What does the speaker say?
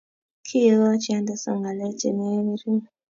Kigigochi Anderson ngalek chengering